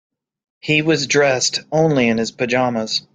He was dressed only in his pajamas.